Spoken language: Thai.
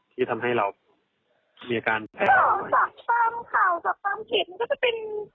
ที่ทำให้เรามีอาการแพ้